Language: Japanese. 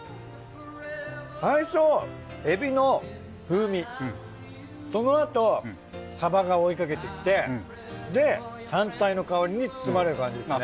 最初エビの風味そのあとサバが追いかけてきてで香菜の香りに包まれる感じですね。